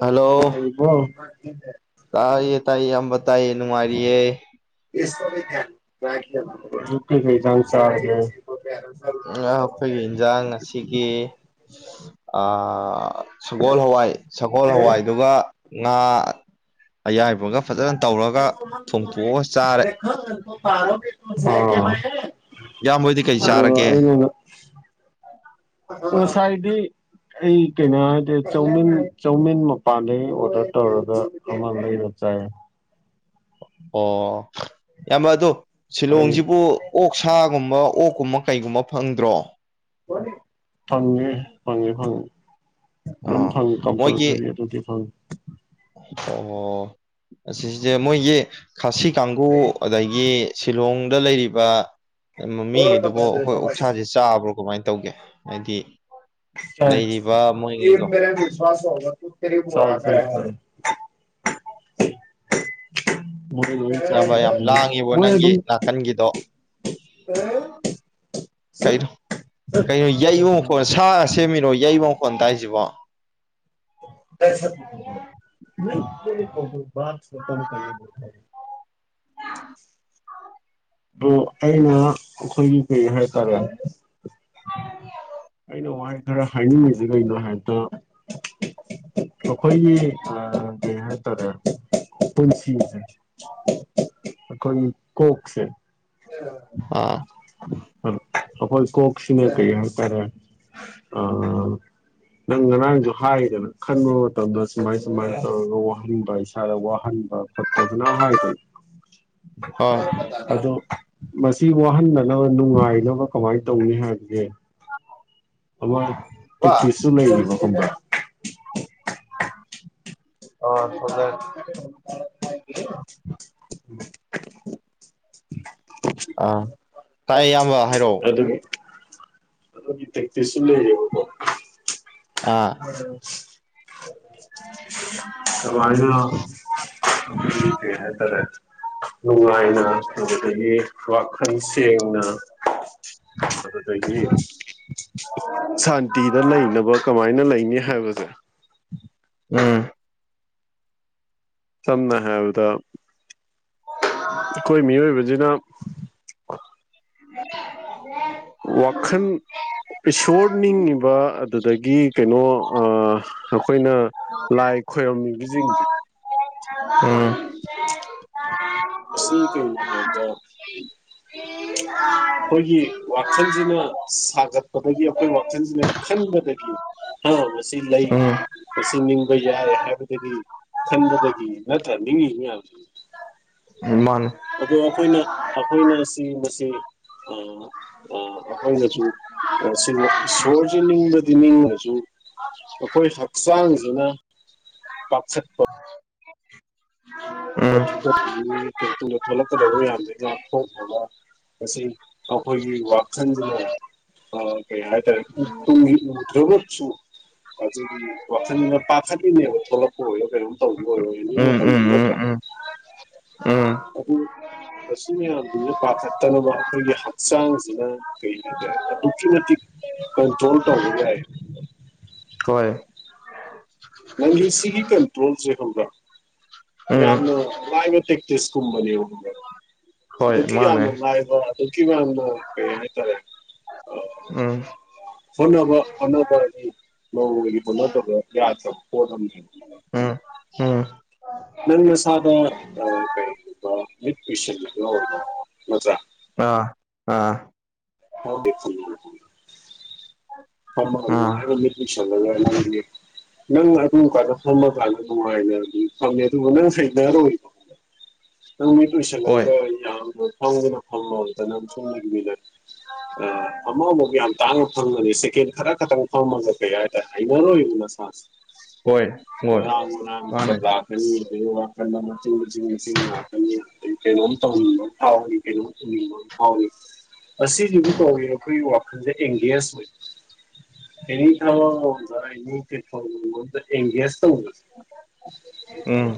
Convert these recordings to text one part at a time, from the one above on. hello ꯏꯕꯣ ꯇꯥꯏꯌꯦ ꯇꯥꯏꯌꯦ ꯏꯌꯥꯝꯕ ꯇꯥꯏꯌꯦ ꯅꯨꯡꯉꯥꯢꯔꯤꯌꯦ [unintelligible] ꯑꯩꯈꯣꯏꯒꯤ ꯏꯟꯁꯥꯡ ꯉꯁꯤꯒꯤ ꯑꯥ ꯁꯒꯣꯜ ꯍꯋꯥꯏ ꯁꯒꯣꯜ ꯍꯋꯥꯏꯗꯨꯒ ꯉꯥ ꯑꯌꯥꯏꯕꯒ ꯐꯖꯅ ꯇꯧꯔꯒ ꯊꯣꯡꯇꯣꯛꯑꯒ ꯆꯥꯔꯦ [unintelligible] ꯑꯣ ꯏꯌꯥꯝꯕ ꯍꯣꯏꯗꯤ ꯀꯩ ꯑꯗꯣ ꯆꯥꯔꯒꯦ ꯑꯩꯅ ꯉꯁꯥꯏꯗꯤ ꯑꯩ ꯀꯩꯅꯣ ꯍꯥꯏꯗꯤ ꯆꯧꯃꯤꯟ ꯆꯧꯃꯤꯟ ꯃꯄꯥꯟꯗꯒꯤ ꯑꯣꯔꯗꯔ ꯇꯧꯔꯒ ꯑꯃ ꯂꯩꯩꯔ ꯆꯥꯏ ꯑꯣ ꯏꯌꯥꯝꯕ ꯑꯗꯣ ꯑꯩ ꯁꯤꯂꯣꯡꯁꯤꯕꯨ ꯑꯣꯛ ꯁꯥꯒꯨꯝꯕ ꯑꯣꯛꯀꯨꯝꯕ ꯀꯩꯒꯨꯝꯕ ꯐꯪꯗ꯭ꯔꯣ ꯐꯪꯉꯦ ꯐꯪꯉꯦ ꯐꯪꯉꯤ ꯑꯗꯨꯝ ꯑꯥ ꯐꯪ ꯀꯝꯄꯜꯁꯔꯤ ꯑꯗꯨꯗꯤ ꯏꯐꯪ ꯑꯣꯍꯣ ꯑꯁꯤꯁꯦ ꯃꯣꯏꯒꯤ ꯈꯥꯁꯤ ꯀꯥꯡꯕꯨꯨ ꯑꯗꯒꯤ ꯁꯤꯂꯣꯡꯗ ꯂꯩꯔꯤꯕ ꯃꯃꯤꯉꯩ ꯑꯗꯨꯕꯨ ꯑꯩꯈꯣꯏ ꯑꯣꯛꯁꯥꯁꯦ ꯆꯥꯕ꯭ꯔꯣ ꯀꯃꯥꯏꯅ ꯇꯧꯒꯦ ꯍꯥꯢꯗꯤ [unintelligible] [unintelligible] [inaudible] ꯃꯣꯢꯗꯤ ꯂꯣꯢ ꯆꯥꯌꯦ ꯏꯌꯥꯝꯕ ꯌꯥꯝ ꯂꯥꯡꯉꯤꯕꯣ ꯃꯣꯢ ꯅꯪꯒꯤ ꯑꯗꯨꯝ [unintelligible] ꯅꯥꯀꯟꯒꯤꯗꯣ ꯀꯩꯅꯣ ꯀꯩꯅꯣ ꯌꯩꯕ ꯃꯈꯣꯟ ꯁꯥꯒ ꯁꯦꯝꯃꯤꯔꯣ ꯌꯩꯕ ꯃꯈꯣꯟꯜ ꯇꯥꯏꯁꯤꯕꯣ [inaudible] [unintelligible] ꯑꯗꯣ ꯑꯩꯅ ꯑꯩꯈꯣꯏꯒꯤ ꯀꯩ ꯍꯥꯏꯇꯥꯔꯦ ꯑꯩꯅ ꯋꯥꯔꯤ ꯈꯔ ꯍꯥꯏꯅꯤꯡꯉꯁꯤ ꯀꯩꯅꯣ ꯍꯥꯏꯕꯗ ꯑꯩꯈꯣꯏꯒꯤ ꯑꯥ ꯀꯩ ꯍꯥꯏꯇꯥꯔꯦ ꯄꯨꯜꯁꯤꯁꯦ ꯑꯈꯣꯏ ꯀꯣꯛꯁꯦ ꯑꯥ ꯑꯈꯣꯏ ꯀꯣꯛꯁꯤꯅ ꯀꯩ ꯍꯥꯏꯇꯥꯔꯦ ꯑ ꯅꯪ ꯉꯔꯥꯡꯁꯨ ꯍꯥꯏꯗꯅ ꯈꯟꯕ ꯃꯇꯝꯗ ꯁꯨꯃꯥꯏ ꯁꯨꯃꯥꯏꯅ ꯇꯧꯔꯒ ꯋꯥꯍꯟꯕ ꯏꯁꯥꯗ ꯋꯥꯍꯟꯕ ꯐꯠ ꯐꯖꯅ ꯍꯥꯏꯗꯅ ꯍꯣꯏ ꯑꯗꯣ ꯃꯁꯤ ꯋꯥꯍꯟꯅꯅꯕ ꯅꯨꯡꯉꯥꯏꯅꯕ ꯀꯃꯥꯏꯅ ꯇꯧꯅꯤ ꯍꯥꯏꯕꯖꯦ [unintelligible] ꯑꯃ ꯕꯥ ꯇꯦꯛꯇꯤꯁꯁꯨ ꯂꯩꯔꯤꯕ ꯈꯪꯕꯔ꯭ ꯑꯥ ꯊꯣꯛꯂꯛ [unintelligible] [unintelligible] ꯑꯥ ꯇꯥꯏ ꯏꯌꯥꯝꯕ ꯍꯥꯏꯔꯛꯑꯣ ꯑꯗꯨꯒꯤ ꯑꯗꯨꯒꯤ ꯇꯦꯛꯇꯤꯁꯁꯨ ꯂꯩꯔꯤꯕꯀꯣ ꯑꯥ [unintelligible] [unintelligible] ꯑꯈꯣꯏꯒꯤ ꯀꯩ ꯍꯥꯏꯇꯥꯔꯦ ꯅꯨꯡꯉꯥꯏꯅ ꯑꯗꯨꯗꯒꯤ ꯋꯥꯈꯟꯁꯤ ꯇꯦꯡꯅ ꯑꯗꯨꯗꯒꯤ ꯁꯥꯟꯇꯤꯗ ꯂꯩꯅꯕ ꯀꯃꯥꯏꯅ ꯂꯩꯅꯤ ꯍꯥꯏꯕꯁꯦ ꯎꯝ ꯁꯝꯅ ꯍꯥꯏꯕꯗ ꯈꯣꯏ ꯃꯤꯑꯣꯏꯕꯖꯤꯅ [unintelligible] ꯋꯥꯈꯟ ꯏꯁꯣꯔ ꯅꯤꯡꯉꯤꯕ ꯑꯗꯨꯗꯒꯤ ꯀꯩꯅꯣ ꯑꯥ ꯑꯩꯈꯣꯏꯅ ꯂꯥꯏ ꯈꯣꯏꯔꯝꯃꯤꯕ ꯖꯤꯡꯖꯦ ꯎꯝ ꯃꯁꯤ ꯀꯩꯅꯣ ꯍꯥꯏꯕꯗ [unintelligible] ꯈꯣꯏꯒꯤ ꯋꯥꯈꯟꯖꯤꯅ ꯁꯥꯒꯠꯄꯗꯒꯤ ꯑꯈꯣꯏ ꯋꯥꯈꯟꯖꯤꯅ ꯈꯟꯕꯗꯒꯤ ꯑꯥ ꯃꯁꯤ ꯂꯩ ꯃꯁꯤ ꯅꯤꯡꯕ ꯌꯥꯏ ꯍꯥꯏꯕꯗꯒꯤ ꯈꯟꯕꯗꯒꯤ ꯅꯠꯇ꯭ꯔꯥ ꯅꯤꯡꯉꯤ ꯃꯌꯥꯝꯁꯤ [unintelligible] ꯎꯝ ꯃꯥꯅꯦ ꯑꯗꯣ ꯑꯈꯣꯏꯅ ꯑꯈꯣꯏꯅ ꯁꯤ ꯃꯁꯤ ꯑꯥ ꯑꯥ ꯈꯣꯏꯅꯖꯨ ꯉꯁꯤ ꯕꯧ ꯏꯁꯣꯔꯖꯤ ꯅꯤꯡꯕ ꯇꯤꯅꯤꯡꯉꯁꯖꯨ ꯑꯈꯣꯏ ꯍꯛꯆꯥꯡꯖꯤꯅ ꯄꯈꯠꯄ ꯎꯝ ꯊꯨꯀꯟꯅꯤꯡꯉꯤ ꯀꯩꯇꯨꯝꯗ ꯊꯣꯛꯂꯛꯀꯗꯕ ꯃꯗ ꯉꯥꯛꯊꯣꯡꯈꯕ ꯑꯁꯤ ꯑꯩꯈꯣꯏꯒꯤ ꯋꯥꯈꯟꯖꯤꯅ ꯑ ꯀꯩ ꯍꯥꯏ ꯇꯥꯔꯦ ꯇꯨꯡꯒꯤ ꯎꯗ꯭ꯔꯒꯁꯨ ꯑꯗꯨꯒꯤ ꯋꯥꯈꯟꯅ ꯄꯥꯈꯠꯂꯤꯅꯦꯕ ꯊꯣꯛꯂꯛꯄ ꯑꯣꯏꯔꯣ ꯀꯩꯅꯣꯝ ꯇꯧꯕ ꯑꯣꯏꯔꯣ ꯍꯥꯏ ꯎꯝ ꯃꯇꯝꯗ ꯎꯝ ꯅꯠꯇ꯭ꯔꯥ [unintelligible] ꯑꯗꯨ [unintelligible] ꯃꯁꯤ ꯃꯌꯥꯝꯁꯤꯅ ꯄꯥꯈꯠꯇꯅꯕ ꯑꯈꯣꯏꯒꯤ ꯍꯛꯆꯥꯡꯁꯤꯅ ꯀꯩ ꯍꯥꯏ ꯇꯥꯔꯦ ꯑꯗꯨꯛꯀꯤ ꯃꯇꯤꯛ ꯀꯟꯇ꯭ꯔꯣꯜ ꯇꯧꯕ ꯌꯥꯥꯏ ꯍꯣꯏ ꯅꯪꯒꯤ ꯁꯤꯒꯤ ꯀꯟꯇ꯭ꯔꯣꯜꯁꯦ ꯈꯪꯕ꯭ꯔ ꯎꯝ ꯌꯥꯝꯅ ꯂꯥꯏꯕ ꯇꯦꯛꯇꯤꯁ ꯀꯨꯝꯕꯅꯦꯕ ꯈꯪꯕ꯭ꯔ ꯍꯣꯏ ꯑꯗꯨꯛꯀꯤ ꯃꯥꯅꯦ ꯌꯝꯅ ꯂꯥꯏ ꯕ ꯑꯗꯨꯛꯀꯤ ꯌꯝꯅ ꯀꯩ ꯍꯥꯏꯇꯥꯔꯦ ꯎꯝ ꯍꯣꯠꯅꯕ ꯍꯣꯠꯅꯕꯒꯤ ꯅꯣꯡꯃꯒꯤ ꯍꯣꯠꯅꯗꯕ ꯌꯥꯗ ꯄꯣꯠ ꯑꯝꯅꯤ [unintelligible] ꯎꯝ ꯅꯪ ꯅꯁꯗ ꯑꯥ ꯀꯔꯤꯒꯨꯝꯕ ꯃꯤꯠ ꯑꯩꯁꯤꯟꯂꯒ ꯑꯣꯏꯔꯣ ꯃꯠꯇ꯭ꯔ ꯑꯥ ꯑꯥ [unintelligible] ꯐꯝꯃꯒꯥ ꯑꯥ ꯅꯨꯉꯥꯏꯃꯟꯗ [unintelligible] ꯁꯜꯂꯒ ꯅꯪꯗꯤ ꯅꯪ ꯑꯗꯨ ꯀꯥꯟꯗ ꯐꯝꯃ ꯀꯥꯟꯗ ꯅꯨꯡꯉꯥꯏꯅꯗꯤ ꯐꯪꯉꯦ ꯗꯨꯒ ꯅꯪ [unintelligible] ꯔꯤꯕꯣ ꯅꯪ ꯃꯤꯠ ꯍꯣꯏ ꯑꯨꯏꯁꯜꯂꯒ ꯌꯥꯝꯅ ꯐꯪꯗꯅ [unintelligible] ꯃꯤꯅ ꯑꯥ ꯑꯃꯃꯨꯛ ꯌꯥꯝ ꯇꯥꯡꯅ ꯐꯪꯕꯅꯤ ꯁꯦꯀꯦꯟ ꯈꯔ ꯈꯛꯇꯪ ꯐꯝꯃꯒꯥ ꯀꯩ ꯍꯥꯏꯇꯥꯏ ꯍꯩꯅꯔꯣꯏꯕ ꯅꯁꯥꯁꯦ ꯍꯣꯏ ꯍꯣꯏ ꯃꯔꯥꯡ ꯃꯔꯥꯡ ꯃꯥꯅꯦ ꯆꯥꯕ꯭ꯂꯛ [unintelligible] ꯋꯥꯈꯟ ꯑꯃ ꯃꯇꯤꯡ ꯃꯇꯤꯡ ꯃꯇꯤꯡ ꯂꯛꯀꯅꯤ ꯀꯩꯅꯣꯝ ꯇꯧꯅꯤꯡꯕ ꯐꯧꯅꯤ ꯀꯩꯅꯣꯝ ꯇꯧꯅꯤꯡꯕ ꯑꯝ ꯐꯧꯅꯤ ꯑꯁꯤꯒꯤꯗꯤ ꯀꯧꯒꯦꯔꯣ ꯈꯣꯏꯒꯤ ꯋꯥꯈꯟꯁꯦ ꯑꯦꯡꯒꯦꯖ ꯑꯣꯏ ꯑꯦꯅꯤ [unintelligible] ꯑꯣꯔ [unintelligible] ꯑꯥꯅꯤ ꯄ꯭ꯂꯦꯠꯐꯧ ꯒꯨꯝꯕ ꯑꯃꯗꯥ ꯑꯦꯡꯒꯦꯖ ꯇꯧꯕꯁꯦ ꯎꯝ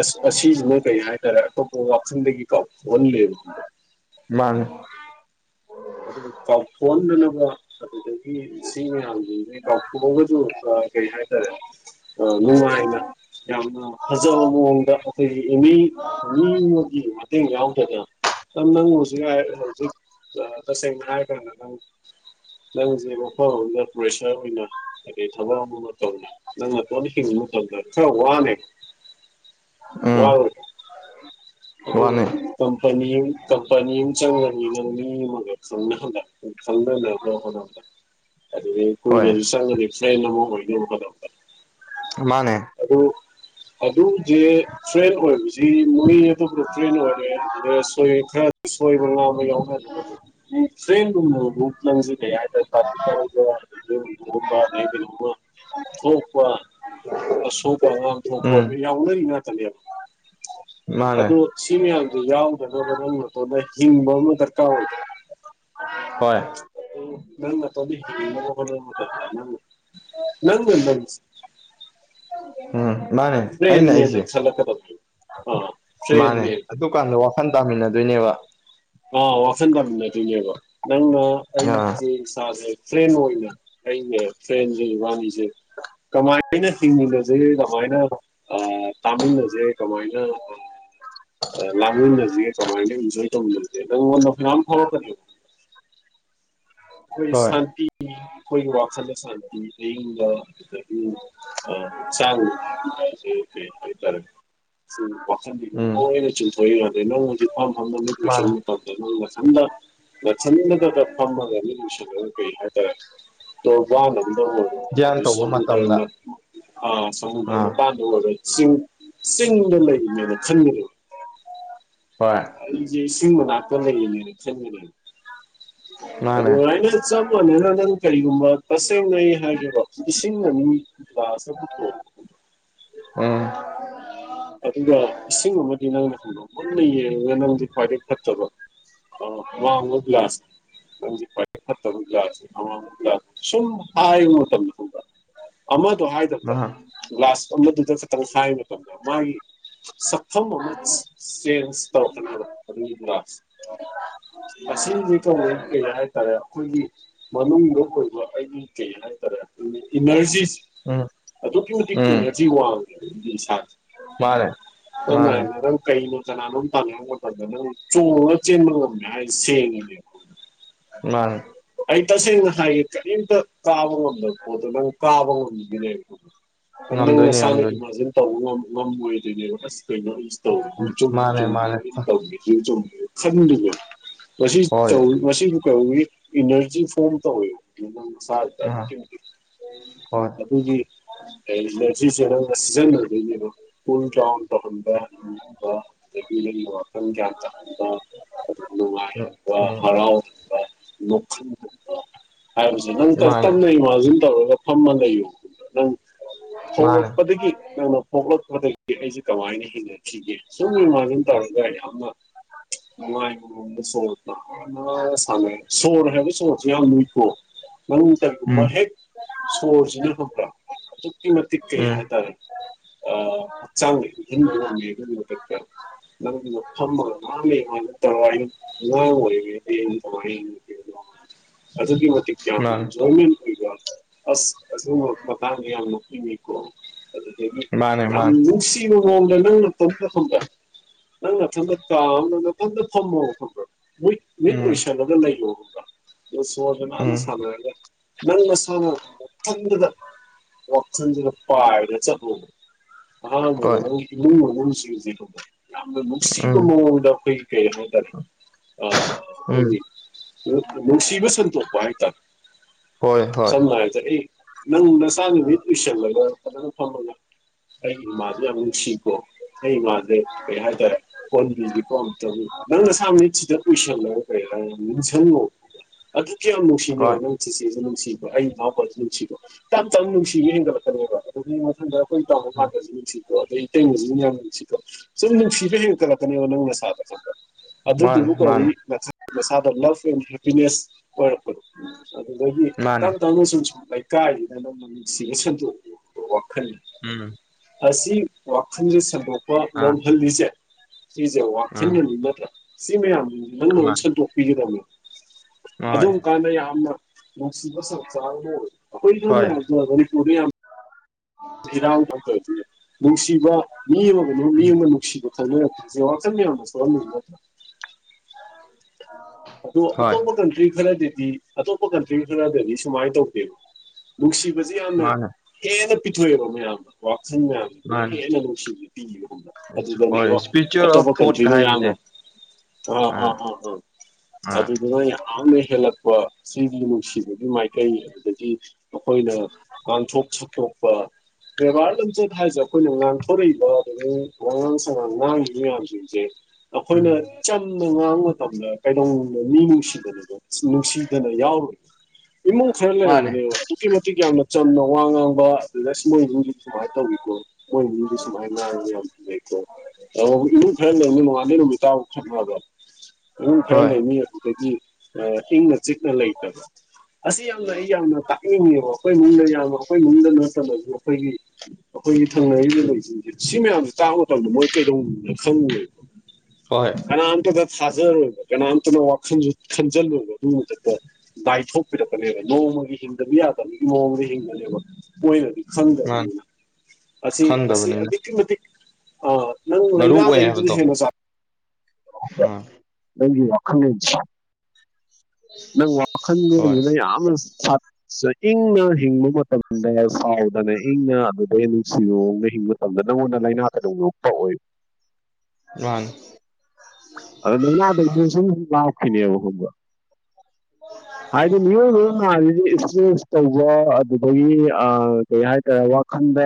ꯑꯁ ꯑꯁꯤꯁꯤꯅ ꯀꯩ ꯍꯥꯏꯇꯥꯔꯦ ꯑꯇꯣꯞꯄ ꯋꯥꯈꯟꯗꯒꯤ ꯀꯥꯎꯊꯣꯛꯍꯜꯂꯦꯕ ꯈꯪꯕ꯭ꯔ ꯃꯥꯥꯅꯦ ꯑꯗꯨꯒ ꯀꯥꯎꯊꯣꯛꯍꯟꯗꯅꯕ ꯁꯥ ꯑꯗꯨꯗꯒꯤ ꯁꯤ ꯃꯌꯥꯝꯁꯤꯡꯁꯦ ꯀꯥꯎꯊꯣꯛ ꯑꯝꯒꯁꯨ ꯀꯥ ꯀꯔꯤ ꯍꯥꯏꯇꯥꯔꯦ ꯑꯥ ꯅꯨꯉꯥꯏꯅ ꯌꯥꯝꯅ ꯐꯖꯕ ꯃꯑꯣꯡꯗ ꯑꯈꯣꯏꯒꯤ ꯑꯦꯃꯤ ꯑꯥ ꯃꯤꯃꯒꯤ ꯃꯇꯦꯡ ꯌꯥꯎꯗꯅ ꯁꯝ ꯅꯪ ꯑꯣꯏꯖꯨ ꯌꯥꯏ ꯍꯧꯖꯤꯛ ꯑꯥ ꯇꯁꯦꯡꯅ ꯍꯥꯏꯔ ꯀꯥꯟꯗ ꯅꯪ ꯅꯪꯁꯦ ꯃꯐꯝ ꯑꯃꯗ ꯄ꯭ꯔꯦꯁꯔ ꯑꯣꯏꯅ ꯀꯩꯀꯩ ꯊꯕꯛ ꯑꯃꯃꯥ ꯇꯩꯅ ꯅꯪ ꯅꯇꯣꯝꯇ ꯍꯤꯡꯕ ꯃꯇꯝꯗ ꯈꯔ ꯋꯥꯅꯤ ꯎꯝ ꯋꯥꯔꯣꯏ ꯑꯗꯨ ꯃꯥꯅꯦ ꯀꯝꯄꯅꯤ ꯑꯝ ꯀꯝꯄꯅꯤ ꯑꯃ ꯆꯪꯉꯗꯤ ꯅꯪ ꯃꯤ ꯑꯃꯒ ꯈꯪꯅꯂꯛ ꯆꯪꯗꯅꯕ ꯍꯣꯠꯅꯕꯗ ꯑꯗꯨꯒꯤ ꯍꯣꯏꯅꯦ ꯍꯣꯏ ꯑꯗꯨ ꯆꯪꯉꯅꯤ ꯐ꯭ꯔꯦꯟ ꯑꯃ ꯑꯣꯏꯅꯤꯕꯀꯣ ꯗꯣ ꯃꯥꯅꯦ ꯑ ꯑꯗꯨꯁꯦ ꯇ꯭ꯔꯦꯟ ꯑꯣꯏꯕꯁꯤ ꯃꯣꯏ ꯑꯗꯨ ꯇ꯭ꯔꯦꯟ ꯑꯣꯏꯔꯦ ꯑꯗꯨꯣꯏ ꯈꯔ ꯁꯣꯏꯕ ꯉꯥ ꯑꯃ ꯌꯥꯎꯅ ꯑꯗꯨ ꯐꯦꯝ ꯔꯝ ꯔꯨꯞ ꯂ ꯂꯤ ꯌꯥ ꯍꯥꯏꯥ ꯇ ꯊꯄ ꯑꯁꯣꯛꯀꯉ ꯊꯣꯛꯣꯡꯄ ꯎꯝ ꯃꯤ [unintelligible] ꯌꯥꯎꯅꯥꯔꯤ ꯉꯥꯛꯇꯥꯅꯦꯕꯥ ꯃꯥꯅꯦ ꯑꯗꯣ ꯁꯤ ꯃꯌꯥꯝꯁ ꯌꯥꯎꯗꯅꯕ ꯅꯪ ꯅꯣꯟꯗ ꯍꯤꯡꯕ ꯑꯃ ꯗꯔꯀꯥ ꯑꯣꯏ ꯍꯣꯏ ꯑꯣ ꯅꯪ ꯇ ꯍꯦꯕ ꯅꯪ ꯅꯪ ꯅꯪ [unintelligible] ꯑꯥ ꯃꯦꯟ ꯃꯦꯟ ꯅꯛꯁꯜꯂꯛ ꯀꯗꯕꯥꯗꯨ ꯑꯥ ꯃꯥꯅꯦ ꯐ꯭ꯔꯦꯟꯅꯦ ꯑꯗꯨꯀꯥꯟꯗ ꯋꯥꯈꯟ ꯇꯥꯃꯤꯟꯅꯗꯣꯏꯅꯦꯕ ꯑꯥ ꯋꯥꯈꯟ ꯇꯥꯃꯤꯟꯅꯗꯣꯏꯅꯦꯕ ꯅꯪꯅ ꯑꯥ ꯑꯩꯆꯦ ꯏꯁꯥꯁꯦ ꯐ꯭ꯔꯦꯟ ꯑꯣꯏꯅ ꯑꯩꯩꯃꯦ ꯐ꯭ꯔꯦꯟꯁꯦ ꯏꯕꯟꯅꯤꯁꯦ ꯀꯃꯥꯏꯅ ꯍꯤꯡꯃꯤꯟꯅ ꯖꯦ ꯀꯃꯥꯏꯅ ꯑꯥ ꯇꯥꯃꯤꯟꯅꯖꯦ ꯀꯃꯥꯏꯅ ꯑꯥ ꯑꯥ ꯂꯥꯡꯂꯤꯟꯅꯖꯦ ꯀꯃꯥꯏꯅ ꯏꯟꯖꯣꯏ ꯇꯧꯃꯤꯟꯅꯁꯦ ꯅꯪꯉꯣꯟꯗ ꯐꯄꯝ ꯐꯧꯔꯛꯀꯅꯤ ꯑꯈꯣꯏ ꯍꯣꯏ ꯁꯥꯟꯇꯤꯒꯤ ꯑꯈꯣꯏꯒꯤ ꯋꯥꯈꯜꯗ ꯁꯥꯟꯇꯤ ꯑꯌꯤꯡꯕ ꯑꯗꯨꯗꯒꯤ ꯑꯥ ꯆꯕꯨ [unintelligible] ꯍꯥꯏꯇꯔꯦ ꯁꯤꯡ ꯋꯥꯈꯟꯒꯤ [unintelligible] ꯎꯝ ꯂꯣꯏꯅ ꯆꯨꯝꯊꯣꯛꯔꯛꯏ ꯌꯗꯦ ꯅꯪꯉꯣꯟꯁꯨ ꯐꯝꯐꯝꯅ ꯃꯤꯠ ꯃꯥꯅꯦ ꯑꯨꯏꯁꯤꯟ ꯇꯧ ꯅꯪ ꯃꯊꯟꯗ ꯃꯊꯟꯗꯗ ꯐꯝꯃꯒ ꯅꯪ ꯂꯣꯏꯁꯜꯂꯒ ꯀꯩ ꯍꯥꯏꯇꯥꯔꯦ ꯇ ꯋꯥꯗ ꯑꯣꯏꯔꯣ ꯙ꯭ꯌꯥꯟ ꯑꯗꯨ ꯇꯧꯕ ꯁꯨꯗ꯭ꯔ ꯃꯇꯝꯗ ꯑ ꯁꯃꯨꯗ꯭ꯔ ꯑꯥ ꯃꯄꯥꯟ ꯑꯣꯏ ꯆꯤꯡ ꯆꯤꯡꯗ ꯂꯩꯔꯤꯅꯦꯅ ꯈꯟꯕꯅꯦꯕ ꯍꯣꯏ ꯏꯁꯤꯡ ꯃꯅꯥꯛꯇ ꯂꯩꯌꯦꯅꯦꯅ ꯈꯟꯃꯤꯗ ꯑꯗꯨ ꯃꯥꯅꯦ ꯑꯩꯅ ꯆꯞ ꯃꯥꯟꯅꯅ ꯅꯪ ꯀꯔꯤꯒꯨꯝꯕ ꯇꯁꯦꯡꯅꯩ ꯍꯥꯏꯒꯦꯕ ꯏꯁꯤꯡ ꯑꯅꯤ ꯒ꯭ꯂꯥꯁ ꯄꯨꯊꯣꯛꯑꯣ ꯎꯝ ꯑꯗꯨꯒ ꯏꯁꯤꯡ ꯑꯃꯗꯤ ꯅꯪꯅꯪ ꯃꯨꯟꯅ ꯌꯦꯡꯉꯒ ꯅꯪꯖꯤ ꯈ꯭ꯋꯥꯏꯗꯒꯤ ꯐꯠꯇꯕ ꯑꯣ ꯋꯥ ꯃꯗꯨꯥꯁ [unintelligible] ꯠꯇꯃ ꯁ ꯍꯥꯏꯥꯏꯝ ꯈ [unintelligible] ꯑꯃꯗꫭ ꯍꯥꯏ ꯃꯥ [unintelligible] ꯒ꯭ꯂꯥꯁ ꯑꯃꯗꯨꯗ ꯈꯛꯇꯪ ꯍꯥꯏ ꯃꯇꯝꯗ ꯃꯥꯒꯤ ꯁꯛꯐꯝ ꯑꯃ ꯆ‌ꯦꯟꯁ ꯇꯧꯔꯛꯀꯅ‌ꯦꯕ ꯑꯗꯨꯒꯤ ꯒꯤꯂꯁꯇ‌ꫭ ꯑꯁꯤꯖꯤ ꯀꯩꯋꯤ ꯀꯍ [unintelligible] ꯍꯥꯏꯇꯥꯔꯦ ꯑꯩꯈꯣꯏꯒꯤ ꯃꯅꯨꯡꯗ ꯑꯣꯏꯕ ꯑꯩꯒꯤ ꯀꯩ ꯍꯥꯏꯇꯥꯔꯦ ꯏꯅꯔꯖꯤꯁꯦ ꯎꯝ ꯑꯗꯨꯛꯀꯤ ꯃꯇꯤꯛ ꯎꯝ ꯏꯅꯔꯖꯤ ꯋꯥꯡꯉꯦ ꯑꯗꯨꯒꯤ ꯏꯁꯥꯁꯦ ꯃꯥꯅꯦ ꯃꯥꯅꯦ ꯑꯣ [unintelligible] ꯀꯩꯅꯥ ꯀꯅꯥꯅꫭꯝ ꯇꯥꯟꯅꯔꯛꯄ ꯃꯇꯝꯗ ꯅꯪ ꯆꯣꯡꯉꯒ ꯆꯦꯟꯕ ꯉꯝꯃꯦ ꯍꯥꯏꯁ‌ꯦ ꯁꯦꯡꯉꯤꯅꯦꯕ ꯃꯥꯅ‌ꯦ ꯑꯩ ꯇꯁꯦꯡꯅ ꯍꯥꯏꯒ‌ꯦ ꯀꯔꯤꯝꯇ ꯀꯥꯕ ꯉꯝꯗꯕ ꯄꯣꯠꯇꯣ ꯅꯪ ꯀꯥꯕ ꯉꯝꯝꯕꯒꯤꯅꯦ ꯑꯗꯨ ꯅꯪ ꯉꯝꯗꯣꯏꯅꯤ ꯅꯁꯥꯅ ꯉꯝꯗꯣꯏꯅꯤ ꯏꯃꯥꯖꯤꯟ ꯇꯧꯕ ꯉꯝꯃꯣꯏꯗꯣꯏꯅꯦꯕ ꯑꯁ ꯀꯩꯅꯣ ꯇꯧ ꯆ ꯃꯥꯅꯦ ꯆ ꯃꯥꯅꯦ ꯇꯧꯦ [unintelligible] ꯈꯟꯗꯕ [unintelligible] ꯃꯁꯤ ꯍꯣꯏ ꯇꯧ ꯃꯁꯤꯁꯨ ꯀꯧꯏꯤ ꯏꯅꯔꯖꯤ ꯐꯣꯔꯝ ꯇꯧꯋꯦ ꯅꯪ ꯅꯁꯖꯤꯗ ꯑ ꯑꯗꯨꯛꯀꯤ ꯃꯇꯤꯛ ꯍꯣꯏ ꯑꯗꯨꯒꯤ ꯏꯔꯖꯤꯖ‌ꯦ ꯅꯪꯅ ꯁꯤꯖꯟꯅꯗꫭꯏꯅ‌ꯦꯕ ꯀꯨꯜ ꯗꯥꯎꯟ ꯇꯧꯍꯟꯕ [unintelligible] ꯎ ꯎ [unintelligible] ꯍꯥꯏꯕꯁꯤ ꯅꯪ ꯇ ꯃꯥꯅꯦ ꯇꯃꯦ ꯃꯥ ꯆꯟ ꯇꯕ [unintelligible] ꯐꯝꯃ ꯂꯩꯌꯨ ꯅꯪ ꯃꯥꯅꯦ ꯍꯧꯔꯛꯄꯗꯒꯤ ꯅꯪꯅ ꯄꯣꯛꯂꯛꯄꯗꯒꯤ ꯑꯩꯁꯦ ꯀꯃꯥꯏꯅ ꯍꯤꯡꯅꯈꯤꯒꯦ ꯁꯨꯝ ꯏꯃꯥꯟꯖꯤꯟ ꯇꯧꯔꯒ ꯌꯥꯝꯅ ꯅꯨꯉꯥꯏꯕ ꯃꯑꫭꯡꯗ ꯁꫭꯔ‌ ꯅꯥꯟꯅ ꯁꯥꯟꯅꯔ ꯁꯣꯔ ꯍꯥꯏꯕ ꯁꯣꯔ ꯁꯦ ꯌꯥꯝ ꯂꯨꯏꯀꯣ ꯅꯪ ꯀꯔꯤꯒꯨꯝꯕ ꯎꯝ ꯍꯦꯛ ꯁꯣꯔꯁꯤꯅ ꯍꯪꯕ꯭ꯔꯥ ꯑꯗꯨꯛꯀꯤ ꯃꯇꯤꯛ ꯀꯩ ꯎꯝ ꯍꯥꯏꯇꯥꯔꯦ ꯑꯥ ꯍꯛꯆꯥꯡꯗ ꯏꯪꯍꯟꯕ ꯃꯉꯃꯤ [unintelligible] ꯃꯊꯛꯇ ꯅꯪꯅ [unintelligible] ꯊꯃ ꯅꯃꯤꯦ ꯋꯥꯅ ꯇꯔ ꯉ ꯑꯣꯏ ꯇ ꯑꯗꯨꯛꯀꯤ ꯃꯇꯤꯛ ꯌꯥꯝ ꯃꯥꯅꯦ ꯑꯦꯟꯖꯣꯏꯃꯦꯟ ꯑꯣꯏꯕ ꯑꯁ ꯑꯁꯨꯝꯝ ꯃꯇꯥꯡꯁ‌ꯦ ꯌꯥꯝ ꯅꫭꯛꯅꯤꯡꯉꯤ ꯑꯗꯨꯗꯒꯤ ꯃꯥꯅꯦ ꯌꯥꯝ ꯃꯥꯅꯦ ꯃꯅꯨꯡꯁꯤꯕ ꯃꯑꫭꯡꯗ ꯅꯪ ꯅꯇꫭꯝꯇ ‌ꯈꯪꯕꯔꯥ ꯅꯪ ꯃꯊꯟꯗ ꯀꯥꯑꯃꯗ ꯅꯇꫭꯝꯗ ꯐꯝꯃꯣꯕ ꯈꯪꯕꯔꯥ ꯃꯤꯠ ꯃꯤꯠ ꯎꯝ ꯎꯨꯏꯏꯁꯜꯂꯒ ꯂꯩꯌ‌ꫭ ꯑꯗꯨ ꯁꫭꯔꯒ ꯅꯥꯟꯅ ꯎꯝ ꯁꯥꯟꯅꯔꯒ ꯅꯪꯅꯁꯅ ꯅꯊꯟꯗꯗ ꯋꯥꯈꯟꯖꯤꯅ ꯄꯥꯏꯔ ꯆꯠꯂꯨꯕ ꯑꯍꯥꯟꯕꯗ ꯍꯣꯏ ‌ꯅꯪꯒꯤ ꯏꯃꯨꯡ ꯃꯅꯨꯡꯖꯤꯡꯖꯤ ꯈꯪꯕꯔꯥ ꯌꯥꯝꯅ ꯅꯨꯡꯁꯤꯕ ꯎꯝ ꯃꯑꯣꯡꯗ ꯑꯩꯈꯣꯏ ꯀꯩ ꯍꯥꯏꯇꯥꯔꯦ ꯑ ꯎꯝ ꯑꯩꯈꯣꯏꯒꯤ ꯅꯨꯡꯁꯤꯕ ꯁꯟꯇꯣꯛꯄ ꯍꯥꯏꯇꯥꯔꯦ ꯍꯣꯏ ꯍꯣꯏ ꯁꯝꯅ ꯍꯥꯏꯔꯕꯗ ꯑꯩ ꯅꯪ ꯅꯁꯥꯅ ꯃꯤꯠ ꯂꯨꯏꯁꯜꯂꯒ ꯐꯖꯅ ꯐꯝꯃꯒ ꯑꯩꯒꯤ ꯏꯃꯥꯥꯁ‌ꯦ ꯌꯥꯝ ꯅꯨꯡꯁꯤꯀꯣ ꯑꯩ ꯏꯃꯥꯁꯦ ꯀꯩ ꯍꯥꯏꯇꯥꯔꯦ ꯀꫭꯟꯕꯤꯒ‌ꯦꯀꯣ ꯑꯝꯇꯪ ꯅꯪ ꯅꯁꯥ ꯃꯤꯠ ꯁꯤꯗ ꯎꯨꯏꯁꯜꯂꯒ ꯅꯤꯡꯁꯤꯡꯉꯣ ꯑꯗꯨꯁꯨ ꯌꯥꯝ ꯍꯣꯏ ꯅꯨꯡꯁꯤꯅꯦꯕ ꯅꯪ ꯆꯤꯆꯦꯁꯨ ꯅꯨꯡꯁꯤꯕ ꯑꯩ ꯏꯅꯥꯎꯄꯁꯨ ꯅꯨꯡꯁꯤꯕ ꯇꯞ ꯇꯞꯅ ꯅꯨꯡꯁꯤꯕ ꯍꯦꯟꯒꯠꯂꯛꯀꯅꯦꯕ ꯑꯗꯨꯗꯩ ꯃꯊꯪꯗ ꯑꯩꯈꯣꯏꯅ ꯇꯥꯕ ꯎꯝ ꯉꯇꯁꯨ [unintelligible] ꯅꯨꯡꯁꯤꯀꯣ ꯑꯗꯩꯇꯩꯂꯣꯟꯁꯨ ꯃꯤ ꯌꯥꯝ ꯅꯨꯡꯁꯤꯀꯣ ꯁꯨꯝ ꯅꯨꯡꯁꯤꯕ ꯍꯦꯛꯇꯅ ꯅꯪ ꯅꯁꯥꯗ ꯈꯪꯕ ꯃꯥꯅꯦ ꯑꯗꯨꯗꯨꯕꯨ ꯃꯥꯅꯦ ꯀꯧꯏ ꯅꯁꯥꯗ ꯂꯚ ꯑꯦꯟ ꯍꯦꯄꯤꯅꯦꯁ ꯑꫭꯏꯔꯛꯄꯗꫭ ꯑꯗꯨꯗꯒꯤ ꯃꯥꯅꯦ ꯇꯞꯅ ꯇꯞꯅ ꯁꯨꯝ ꯁꯨꯝ ꯂꯩ ꯀꯥꯏ ꯁꯤꯗ ꯅꯪꯅ ꯅꯨꯡꯁꯤꯕ ꯁꯟꯗꫭꯛꯄꯗꫭ ꯋꯥꯈꯜꯅꯤ ꯎꯝ ꯑꯁꯤ ꯋꯥꯈꯜꯁꯦ ꯁꯟꯗꯣꯛꯄ ꯑꯥ ꯉꯝꯍꯜꯂꯤꯁꯦ ꯁꯤꯖꯦ ꯋꯥꯛꯆꯟ ꯑꯥ ꯃꯦꯃꯤ ꯅꯠꯇ꯭ꯔꯥ ꯁꯤ ꯃꯌꯥꯝꯖꯤꯡꯖꯦ ꯅꯪꯅꯥ ꯃꯥ ꯑꯃꯨꯛ ꯁꯟꯗꯣꯛꯄꯤꯒꯗꯕꯅꯦ ꯍꯣꯏ ꯑꯗꯨꯝ ꯀꯥꯟꯗ ꯌꯥꯝꯅ ꯅꯨꯡꯁꯤꯕ ꯁꯪꯆꯥꯔꯗꯣ ꯑꯩꯈꯣꯏ ꯁꯝꯅ ꯍꯣꯏ ꯍꯥꯏꯔꯕꯗ ꯃꯅꯤꯄꯨꯔꯗ ꯌꯥꯝ ꯏꯔꯥꯡ ꯇꯧꯗ꯭ꯔꯗꯤ ꯅꯨꯡꯁꯤꯕ ꯃꯤ ꯑꯃꯒꯅꯨ ꯃꯤ ꯎꯝ ꯑꯃ ꯅꯨꯡꯁꯤꯕ ꯈꯪꯅꯔ ꯁꯤꯖꯦ ꯋꯥꯛꯁꯟ ꯃꯌꯥꯝꯅ ꯁꯣꯛꯍꯜꯂꯛꯏ ꯅꯠꯇ꯭ꯔꯥ ꯑꯗꯣ ꯍꯣꯏ ꯑꯇꯣꯞꯄ ꯀꯟꯇ꯭ꯔꯤ ꯈꯔꯗꯗꯤ ꯑꯇꯣꯞꯄ ꯀꯟꯇ꯭ꯔꯤ ꯈꯔꯗꯗꯤ ꯁꯨꯃꯥꯏ ꯇꯧꯗꯦꯕ ꯅꯨꯡꯁꯤꯕꯖꯦ ꯌꯥꯝꯅ ꯃꯥꯅꯦ ꯍꯦꯟꯅ ꯄꯤꯊꯣꯛꯑꯦꯕ ꯃꯌꯥꯝꯗ ꯋꯥꯈꯟ ꯃꯌꯥꯝ ꯃꯥꯅꯦ ꯍꯦꯟꯅ ꯅꯨꯡꯁꯤꯕ ꯄꯤꯈꯤꯕꯒꯨꯝꯕ ꯍꯣꯏ ꯑꯗꯨꯗꯅꯦꯕ ꯏꯁꯄꯤꯆꯨꯋꯦꯜ ꯑꯣꯐ ꯑꯇꯣꯞꯄ ꯊꯣꯠꯀ ꯀꯟꯇ꯭ꯔꯤꯅ ꯍꯥꯏꯕꯁꯦ ꯌꯥꯝꯅ ꯑ ꯑꯥ ꯑ ꯑ ꯑꯥ ꯑꯗꯨꯗꯨꯅ ꯌꯥꯝ ꯌꯥꯝꯅ ꯍꯦꯜꯂꯛꯄ ꯁꯤꯒꯤ ꯅꯨꯡꯁꯤꯕꯒꯤ ꯃꯥꯏꯀꯩ ꯑꯗꯨꯗꯒꯤ ꯑꯈꫭꯏꯅꯥ ꯉꯥꯡꯊꯣꯛ ꯁꯛꯇꯣꯛꯄ ꯕꯦꯕꯥꯔ ꯂꯝꯆꯠ ꯍꯥꯏꯁꯦ ꯑꯩꯈꯣꯏꯅ ꯉꯥꯡꯊꯣꯔꯛꯏꯕ ꯑꯗꯒꯤ ꯋꯥꯉꯥꯡ ꯁꯉꯥꯡ ꯉꯥꯡꯉꯤ ꯃꯌꯥꯝꯁꯤꯡꯁꯦ ꯑꯩꯈꯣꯏꯅ ꯎꯝ ꯆꯝꯅ ꯉꯥꯡꯕ ꯃꯇꯝꯗ ꯀꯩꯗꯧꯅꯨꯡꯗꯥ ꯃꯤ ꯅꯨꯡꯁꯤꯗꯕꯤꯗ ꯅꯨꯡꯁꯤꯗꯅ ꯌꯥꯎꯔꯣꯏ ꯏꯃꯨꯡ ꯈꯔ ꯃꯥꯅꯦ ꯂꯩꯔꯝꯒꯅꯦꯕ ꯑꯗꯨꯛꯀꯤ ꯃꯇꯤꯛ ꯌꯥꯝꯅ ꯆꯝꯅ ꯋꯥ ꯉꯥꯡꯕ ꯄ꯭ꯂꯁ ꯃꯣꯏ ꯏꯃꯨꯡꯗꯤ ꯁꯨꯃꯥꯏ ꯇꯧꯋꯤꯀꯣ ꯃꯣꯏꯏꯃꯨꯡꯗꯤ ꯁꯨꯨꯃꯥꯏ ꯉꯥꯡꯏ ꯌꯥꯝ ꯀꯤꯖꯕꯩ ꯏꯃꯨꯡ ꯈꯔ ꯂꯩꯅꯤ ꯅꯣꯡꯉꯥꯗꯩ ꯅꯨꯃꯤꯠ ꯇꯥꯕ ꯈꯠꯄꯕ ꯏꯃꯨꯡ ꯈꯔ ꯍꯣꯏ ꯂꯩꯅꯤ ꯑꯗꯨꯗꯒꯤ ꯑ ꯏꯪꯅ ꯆꯤꯛꯅ ꯂꯩꯇꯕ ꯑꯁꯤ ꯌꯥꯝꯅ ꯑꯩ ꯌꯥꯝꯅ ꯇ ꯏꯪꯉꯦꯕ ꯑꯩꯈꯣꯏ ꯏꯅꯨꯡꯗ ꯌꯥꯕ ꯑꯩꯈꯣꯏ ꯏꯅꯨꯡꯗ ꯅꯠꯇꯕꯖꯨ ꯑꯩꯈꯣꯏꯒꯤ ꯑꯩꯈꯣꯏꯒꯤ ꯊꯪꯅꯔꯤꯕ ꯂꯩꯁꯤꯡꯁꯦ ꯁꯤ ꯃꯌꯥꯝꯁꯦ ꯇꯥꯕ ꯃꯇꯝꯗ ꯃꯣꯏ ꯀꯩꯗꯧꯅꯣ ꯈꯪꯉꯦꯕ ꯍꯣꯏ ꯀꯅꯥꯝꯇꯗ ꯊꯥꯖꯔꯣꯏꯕ ꯀꯅꯥꯝꯇꯗ ꯋꯥꯈꯟꯖꯦ ꯈꯟꯖꯜꯂꯣꯏꯕ ꯗꯨꯃꯛꯇꯗ ꯂꯥꯏꯊꯣꯛꯄꯤꯔꯛꯄꯅꯦꯕ ꯅꯣꯡꯃꯒꯤ ꯍꯤꯡꯗꯕ ꯌꯥꯗꯕꯒꯤ ꯅꯣꯡꯃꯗꯤ ꯍꯤꯡꯕꯅꯦꯕ ꯀꯣꯏꯅꯗꯤ ꯃꯥꯅꯦ ꯈꯪꯗꯕꯅꯤꯅ ꯑꯁꯤ ꯑꯁꯤ ꯈꯪꯗꯕꯅꯤꯅ ꯑꯗꯨꯛꯀꯤ ꯃꯇꯤꯛ ꯑ ꯅꯪ ꯃꯔꯨ ꯂꯥꯏꯅꯥꯗꯩꯗꯨ ꯍꯦꯟꯅ ꯆꯥ ꯎꯝ ꯅꯪꯒꯤ ꯋꯥꯈꯜꯂꯣꯟ ꯅꯪ ꯍꯣꯏ ꯋꯥꯈꯜꯗꯗꯨꯅ ꯌꯥꯝꯅ ꯁꯥꯠ ꯆ ꯏꯪꯅ ꯍꯤꯡꯕ ꯃꯇꯝꯗ ꯁꯥꯎꯗꯅ ꯏꯪꯅ ꯑꯗꯨꯗꯩ ꯅꯨꯡꯁꯤꯅꯧꯑꯣꯡꯅ ꯍꯤꯡꯕ ꯑꯗꯨꯗ ꯅꯪꯉꯣꯟꯗ ꯂꯥꯏꯅꯥ ꯀꯗꯧ ꯂꯨꯞ ꯄꯛꯑꯣꯏ ꯃꯥꯟꯅꯤ ꯑꯗꯨꯨꯝ [unintelligible] ꯂꯥꯛꯅꯦꯅꯤ ꯍꯕ ꯍꯥꯏꯗꯤ ꯃꯤꯑꯣꯏꯕꯅ ꯅꯨꯉꯥꯏꯕꯗꯤ ꯏꯟꯁꯨꯔꯦꯟꯁ ꯇꯧꯕ ꯑꯗꯨꯒꯤ ꯑ ꯀꯩ ꯍꯥꯏꯇꯥꯔꯦ ꯋꯥꯈꯟꯗ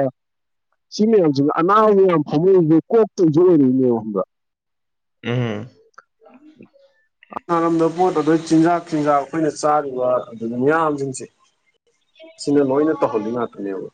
ꯁꯤ ꯃꯌꯥꯝꯁꯤꯅ ꯑꯅꯥꯕ ꯃꯌꯥꯝ ꯐꯃꯨꯡꯗ ꯀꯣꯛꯇꯣꯏꯖꯨ ꯂꯩꯔꯛꯏꯅꯦꯕ ꯈꯪꯕ꯭ꯔ ꯎꯝ ꯍꯅꯥꯔꯗ ꯄꯣꯠ ꯑꯗꯩ ꯆꯤꯟꯖꯥꯛ ꯆꯤꯟꯖꯥꯛ ꯑꯩꯈꯣꯏꯅ ꯆꯥꯔꯤꯕ ꯑꯗꯨ ꯃꯌꯥꯝꯖꯤꯡꯁꯦ ꯁꯤꯅ ꯂꯣꯏꯅ ꯇꯧꯍꯜꯂꯤ ꯉꯥꯛꯇꯅꯦꯕ